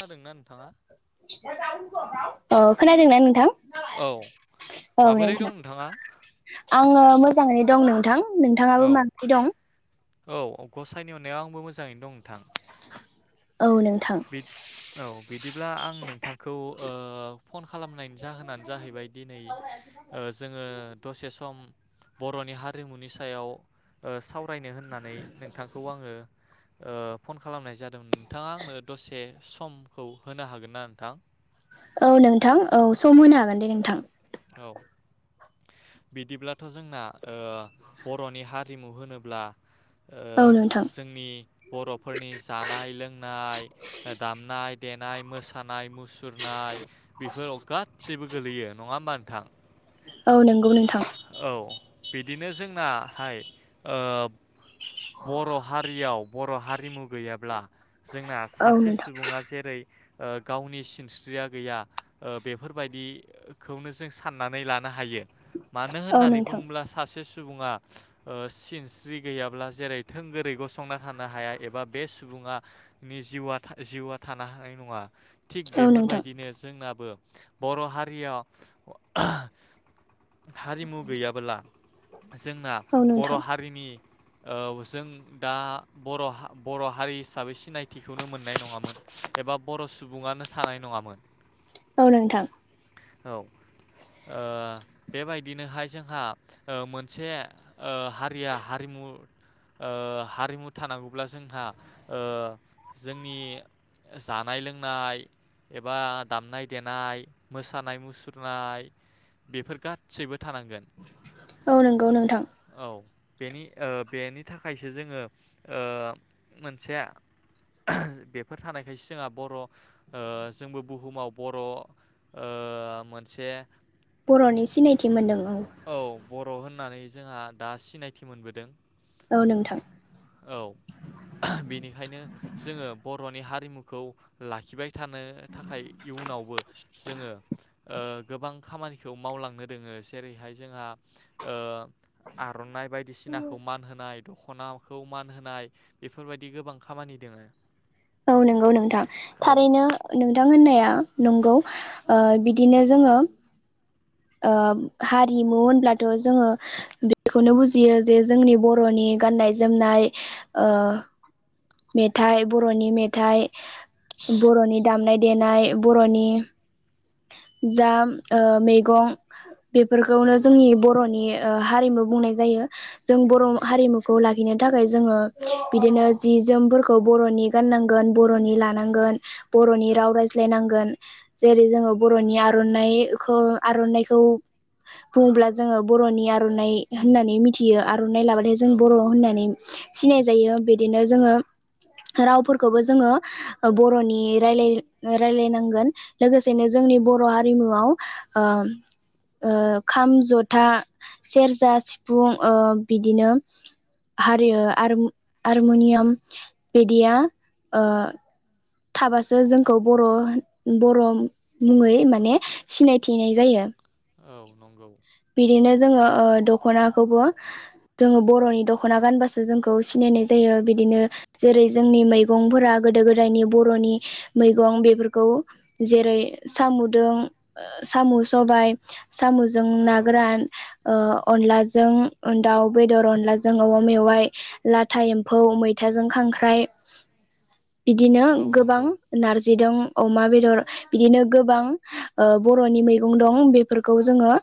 जादोंना नोंथाङा ओ खोनाय। जोंना नोंथां [inaudible] [unintelligible] औ औ माबोरै दं नोंथाङा। मोजाङै दं नोंथां। नोंथाङाबो औ माबोरै दं? औ गसाइनि अननायाव आंबो मोजाङैनो दं नोंथां। औ नोंथां। बि औ बिदिब्ला आं नोंथांखौ-ओ फन खालामनायनि जाहोनानो जाहैबाय दिनै जोङो दसे सम बरनि हारिमुनि सायाव सावरायनो होननानै नोंथांखौ आङो ओ-फन खालामनाय जादोंमोन नोंथाङा आंनो। दसे समखौ होनो हागोन ना नोंथां। औ नोंथां औ सम होनो हागोन दे नोंथां। औ बिदिब्लाथ जोंना- ओ बरनि हारिमु होनोब्ला। औ नोंथां ओ-जोंनि बरफोरनि जानाय लोंनाय दामनाय देनाय मोसानाय मुसुरनाय बेफोराव गादसिबो। गोलैयो। नंङा होनबा नोथां? औ नंगौ नोंथां। बिदिनो जोंना हाय ओ बर' हारियाव बर' हारिमु गैयाब्ला जोंना औ सासे नोंथां सुबुंङा जेरै ओ गावनि सिनस्रिया गैया ओ बेफोरबाय दिखौनो जों साननानै लानो हायो। मानो औ होननानै नोंथां बुंङोब्ला सासे सु सुबुंङा ओ सिनस्रि गैयाब्ला जेरै थोंगोरै गसंना थानो हाया एबा बे सुबुंङनि जिउ जिउआ थानो हानाय नंङा। थिग औ नोंथां बेफोरबायदिनो जोंनाबो बर' हारियाव हारिमु गैयाबोला जोंना औ बर' नोंथां हारिनि औ जों दा बर' बर' हारि हिसाबै सिनायथिखौनो मोननाय नंङामोन एबा बर' सुबुंङानो थानाय नंङामोन। औ नोंथां। औ ओ बेबायदिनोहाय जोंहा ओ मोनसे ओ हारिया हारिमु ओ हारिमु थानांगौब्ला जोंहा ओ जोंनि जानाय लोंनाय एबा दामनाय देनाय मोसानाय मुसुरनाय बेफोर गा सैबो थानांगोन। औ नंगौ नोंथां। औ बेनि ओ बेनि थाखायसो जोंङो ओ मोनसेया बेफोर थानायखायसो जोंहा बर' ओ जोंबो बुहुमाव बर' ओ मोनसे बर'नि सिनायथि मोनदों औ र होननानै जोंहा दा सिनायथि मोनबोदों। औ नोंथां औ बेनि ओंखायनो जोंङो बर'नि हारिमुखौ लाखिबाय थानो थाखाय इयुनावबो जोंङो ओ गोबां खामानिखौ मावलांनो दोंङो जेरै हाय जोंहा ओ आर'नाइ बायदिसिनाखौ मान होनाय दख'नाखौ मान होनाय बेफोरबायदि गोबां खामानि दोंङो। औ नंगौ नोंथां थारैनो नोंथां होननाया नंगौ ओ बिदिनो जोंङो ओह हारिमु होनब्लाथ' जोंङो बेखौनो बुजियो जे जोंनि बर'नि गाननाय जोमनाय ओह मेथाइ बर'नि मेथाइ औ बर'नि दामनाय देनाय बर'नि जा ओह मैगं औ बेफोरखौनो जोंनि नंगौ बर'नि ओह हारिमु बुंनाय जायो। जों बर' नंगौ हारिमुखौ ला खिनो थाखाय जोंङो बिदिनो जि जोमफोरखौ बर'नि गाननांगोन बर'नि लानांगोन बर'नि औ राव रायज्लायनांगोन, जेरै जोंङो बर'नि आर'नाइखौ आर'नाइखौ बुङोब्ला जोङो बर'नि आर'नाइ होननानै मिथियो आ आर'नाय लाबाथाय जों औ बर' होननानै सिनाय जायो बिदिनो जोङो रावफोरखौबो जोङो बर'नि रायलाय रायलायनांगोन लोगोसेनो जोंनि बर' हारिमुआव ओ ओम खाम जथा सेरजा सिफुं ओ बिदिनो हारियो आरो आरिमुनियाम बिदिया ओ थाबासो जोंखौ बर' बर' मुङै माने सिनायथिनाय जायो। औ नंगौ। बिदिनो जोङो दख'नाखौबो जोङो बर'नि दख'ना गानबासो जोंखौ सिनायनाय जायो बिदिनो जेरै जोंनि मैगंफोरा गोदो गोदायनि बर'नि मैगं बेफोरखौ जेरै साम'जों ओ साम' सबाय साम'जों औ गोरान ओह अनलाजों दाउ बेदर, अनलाजों औवा मेवा, इ लाथा एम्फौ, मैथाजों खांख्राइ, बिदिनो औ गोबां नंगौ नारजि दं अमा बेदर बिदिनो गोबां ओ बर'नि मैगं दं बेफोरखौ जोङो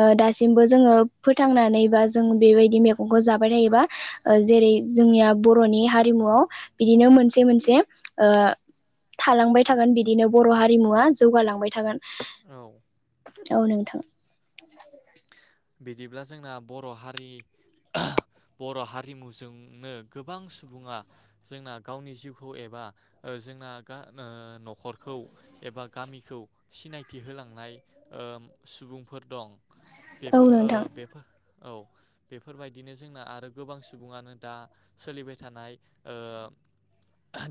ओ दासिमबो जोङो फोथांनानै बा जों बेबायदि मेगंखौ जाबाय थायोबा जेरै जोंनिया बर'नि हारिमुआव बिदिनो मोनसे मोनसे ओ थालांबाय थागोन बिदिनो बर' हारिमुवा जौगालांबाय थागोन औ औ नोंथां। बिदिब्ला जोंना बर' हारि बर' हारिमुजोंनो गोबां सुबुङा जोंना गावनि जिउखौ एबा ओ जोंना ओ न'खरखौ एबा गामिखौ सिनायथि होलांनाय ओह सुबुंफोर दं। औ बेफोर नोंथां ओ बेफोर औ। बेफोरबायदिनो जोंना आरो गोबां सुबुङानो दा सोलिबाय थानाय ओ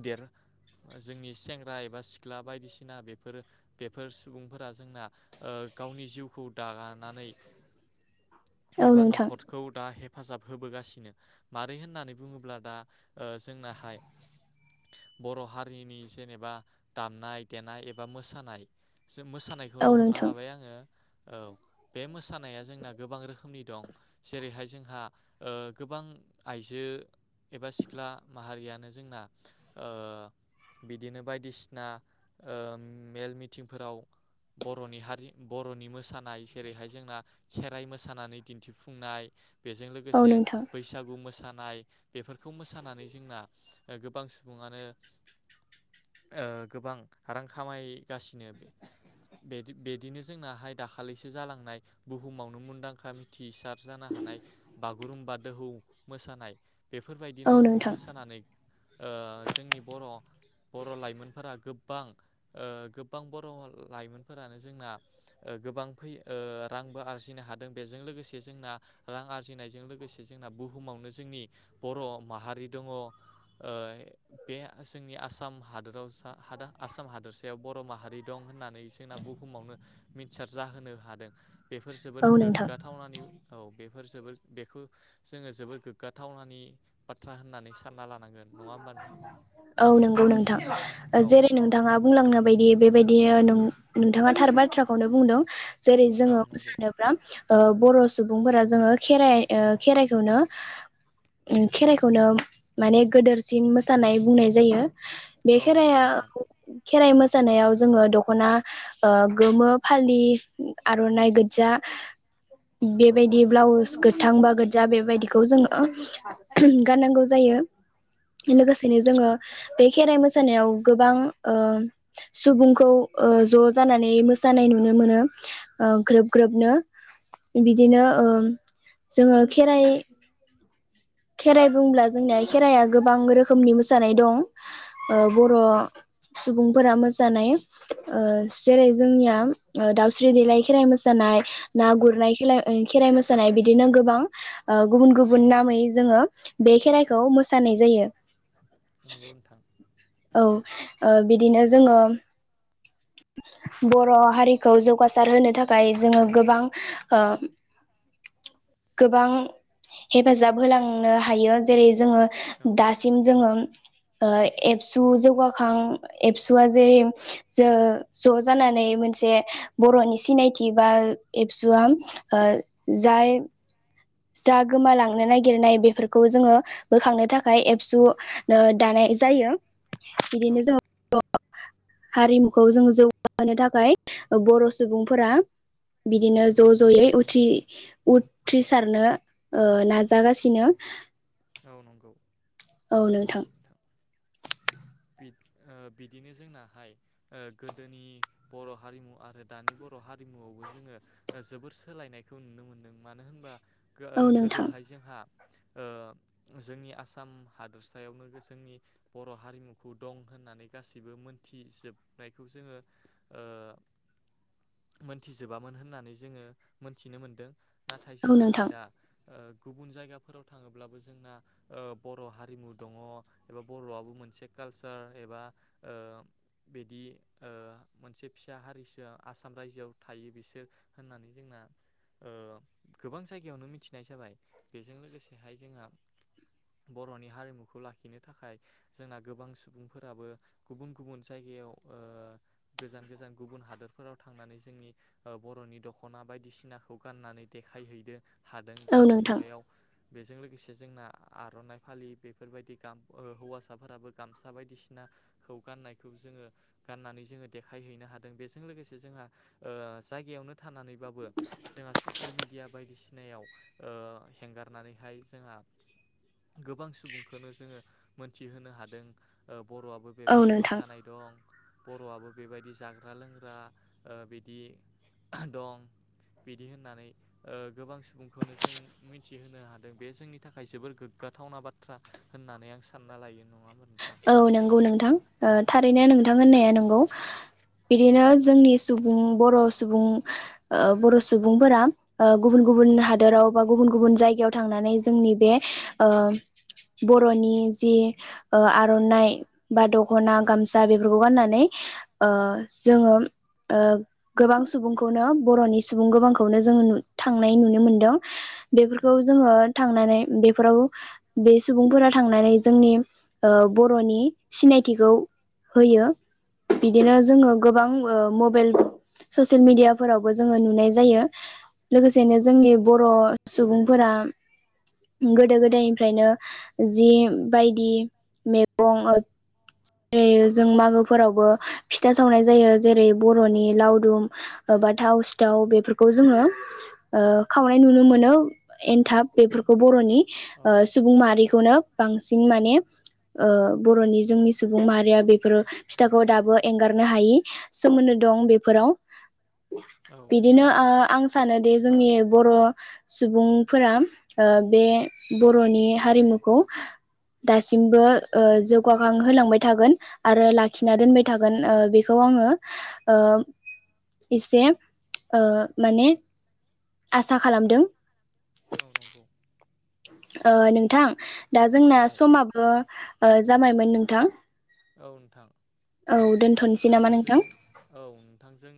देर जोंनि सेंग्रा एबा सिख्ला बायदिसिना बेफोरो बेफोर सुबुंफोरा जोंना ओ गावनि जिउखौ दानानै औ एबा नोंथां नखरखौ दा हेब हेफाजाब होबोगासिनो मारै होननानै बुङोब्ला दा ओ जोंनाहाय बर' हारिनि जेनेबा दामनाय देनाय एबा मोसानाय औ मोसानायखौनो हमना नोंथां लाबाय आङो औ बे मोसानाय मोसानाया जोंना गोबां रोखोमनि दं जेरैहाय जोंहा ओह गोबां आइजो एबा सिख्ला माहारियानो जोंना ओह बिदिनो बायदिसिना ओह मेल मिथिंफोराव बर'नि हारि बर'नि मोसानाय जेरैहाय जोंना खेराइ मोसानानै दिन्थिफुंनाय बेजों औ लोगोसे नोंथां बैसागु मोसानाय नाय बेफोरखौ मोसानानै जोंना गोबां सुबुङानो ओ गोबां रां खामायगासिनो बिदिनो जोंनाहाय दाखालिसो जालांनाय बुहुमावनो मुंदांखा मिथिसार जानो हानाय बागुरुम्बा दोहौ मोसानाय बेफोरबायदिनो औ नोंथां मोसानानै ओ जोंनि बर' बर' लाइमोनफोरा गोब गोबां ओ गोबां बर' लाइमोनफोरानो जोंना ओ गोबां फैयो ओ रांबो आरजिनो हादों बेजों लोगोसे जोंना रां आरजिनायजों लोगोसे जोंना बुहुमावनो जोंनि बर' माहारि दङ ओ बे जोंनि आसाम हादोराव हा हादा आसाम हादोरसायाव बर' माहारि दं होननानै सोना बुहुमावनो मिथिथार जाहोनो हादों। बेफोर जोबोर औ नोंथां गोग्गाथावनानि औ बेफोर जोबोर बेखौ जोङो जोबोर गोग्गाथावनानि बाथ्रा होननानै सानना लानो औ नंगौ नोंथां औ जेरै नोंथाङा बुंलांनो बायदि बेबाय दियो नोंथाङा थार बाथ्राखौनो बुंदों। जेरै औ जोङो नंगौ मोसानोब्ला ओ बर' सुबुंफोरा जोङो खेराइ ओ खेराइखौनो उम खेराइखौनो माने गोदेरसिन मोसानाय बुंनाय जायो। बे औ नंगौ खेराया नोंथां। खेराइ मोसानायाव जोङो दख'ना ओ गोमो फालि आर'नाइ गोदजा बेबायदि ब्लाउस गोथां बा गोदजा बेबायदिखौ जोङो गाननांगौ जायो औ लोगोसेनो जोङो बे खेराइ मोसानायाव गोबां ओ सुबुंखौ ज' जानानै मोसानाय नुनो मोनो ओ ग्रोब ग्रोबनो बिदिनो ओ जोङो खेराइ खेराइ बुंब्ला जोंनिया खेराइआ गोबां रोखोमनि मोसानाय दं ओ बर' सुबुंफोरा मोसानाय ओ जेरै जोंनिया दाउस्रि देलाय खेराइ मोसानाय ना औ गुरनााइ खेलाय खेराइ मोसानाय बिदिनो गोबां ओ गुबुन गुबुन नामै जोङो बे खेराइ खौ मोसानाय जायो नंगौ नोंथां औ ओ बिदिनो जोङो बर' हारिखौ जौगासार होनो थाखाय जोङो गोबां ओ गोबां हेफाजाब होलांनो हायो जेरै जोङो औ दासिम जोङो ओ एबसु जौगाखां एबसुआ जेरै जो ज' जानानै मोनसे बर'नि सिनायथि बा एबसुआ ओ जाय जा गोमालांनो नागिरनाय बेफोरखौ जोङो बोखांनो थाखाय एबसु ओ दानाय जायो औ बिदिनो जोङो बर' [unintelligible] हारिमुखौ जों जौगा थाखाय बर' सुबुंफोरा बिदिनो ज' ज'यै उथ्रि उथ्रिसारनो ओ नाजागासिनो औ नंगौ औ नोंथां ओ बिदिनो जोंनाहाय ओ गोदोनि बर' हारिमु आरो दानि बर' हारिमुआवबो जोङो जोबोर सोलायनायखौ नुनो मोनदों मानो होनबा ओ औ नोंथां गोदोहाय जोंहा ओ जोंनि आसाम हादोरसायावनो जोंनि बर' हारिमु खौ दं होननानै गासैबो मोनथिजोबनायखौ जोङो ओ मोनथिजोबामोन होननानै जोङो मोनथिनो मोनदों नाथाय औ जोंआहाय नोंथां दा ओ गुबुन जायगाफोराव थाङोब्लाबो जोंना ओ बर' हारिमु दङ एबा बर'आबो मोनसे कालसार एबा ओ बिदि ओ मोनसे फिसा हारिसो आसाम रायजोआव थायो बिसोर होननानै जोंना ओ गोबां जायगायावनो मिथिनाय जाबाय बेजों लोगोसेहाय जोंहा बर'नि हारिमुखौ लाखिनो थाखाय जोंना गोबां सुबुंफोराबो गुबुन गुबुन जायगायाव ओ गोजान गोजान गुबुन हादरफोराव थांनानै जोंनि बर'नि दख'ना बायदिसिनाखौ गाननानै देखायहैदो हादों औ दानि नोंथां मुगायाव बेजों लोगोसे जोंना आरनाइ फालि बेफोरबायदि गाम हौवासाफोराबो गामसा बायदिसिनाखौ गाननायखौ जोङो गाननानै जोङो देखायहैनो हादों बेजों लोगोसे जोंहा ओ जायगायावनो थानानैबाबो जोंहा ससियेल मिडिया बायदिसि नायाव ओ हेंगारनानैहाय जोंहा गोबां सुबुंखौनो जोङो मोनथिहोनो हादों ओब बर'आबो औ बेबायदि नोंथां मोसानाय दं बर'आबो बेबायदि जाग्रा लोंग्रा ओ बिदि दं बिदि होननानै ओ गोबां सुबुंखौनो जों मिथिहोनो हादों बे जोंनि थाखाय जोबोर गोग्गाथावना बाथ्रा होननानै आं सानना लायो नङा होनबा नों औ नंगौ नोंथां ओ थारैनो नोंथां होननाया नंगौ। औ बिदिनो जोंनि सुबुं बुं बर' सुबुं ओ बर' सुबुंफोरा ओ गुबुन गुबुन हादोराव बा गुबुन गुबुन जायगायाव थांनानै जोंनि बे ओ बर'नि जे ओ आ र'नाय बा दख'ना औ गामसा बेफोरखौ गाननान नै ओ जोङो ओ गोबां सुबुंखौनो बर'नि सुबुं गोबांखौनो जोङो नु-थांनाय नुनो मोनदों। बेफोरखौ औ जोङो थांनानै बेफोराव बे सुबुंफोरा थांनानै जोंनि ओ बर'नि सिनायथिखौ होयो औ बिदिनो जोङो गोबां ओ म बेइल ससियेल मेडियाफोरावबो जोङो नुनाय जायो लोगोसेनो जोंनि बर' सुबुंफोरा गोदो गोदायनिफ्रायनो जि बायदि मेप गं जेरै जों मागोफोरावबो फिथा सावनाय जायो जेरै बर'नि लावदुम बा थाव सिथाव बेफोरखौ जोङो ओ खावनाय नुनो मोनो एन्थाब बेफोरखौ बर'नि औ ओ सुबुं माहारिखौनो बांसिन माने ओ बर'नि जोंनि सुबुं माहारिया बेफोरो फिथाखौ दाबो एंगारनो हायि सोमोन्दो दं बेफोराव औ बिदिनो ओ नंगौ आं सानो दि जोंनि बर' सुबुंफोरा ओ बे बर'नि हारिमुखौ दासिमबो ओ जौगाखां होलांबाय थागोन आरो औ लाखिना दोनबाय थागोन ओ बेखौ आङो ओ एसे ओ माने आसा खालामदों औ नंगौ ओ नोंथां दा जोंना औ समाबो ओ जाबायमोन नोंथां औ नोंथां औ दोनथ'नोसै नामा नोंथांजों नोंथां औ नोंथांजों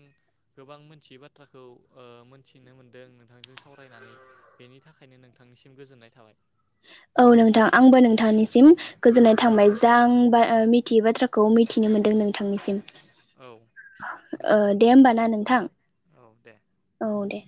गोबां मोनथियै बाथ्राखौ ओ मोनथिनो मोनदों नोंथांजों सावरायनानै बेनि थाखायनो नोंथांनिसिम गोजोननाय थाबाय औ नोंथां आंबो नोंथांनिसिम गोजोननाय थांबाय जा आं ओ बा मिथियै बाथ्राखौ मिथिनो मोनदों नोंथांनिसिम औ ओ गोजोन्थों दे होमबा ना नोंथां औ दे औ दे